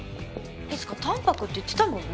いつか淡泊って言ってたもんね。